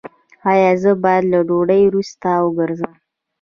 ایا زه باید له ډوډۍ وروسته وګرځم؟